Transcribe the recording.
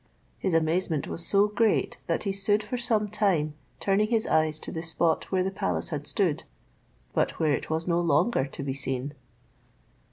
His amazement was so great, that he stood for some time turning his eyes to the spot where the palace had stood, but where it was no longer to be seen.